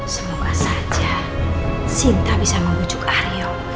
semoga saja sinta bisa membujuk aryo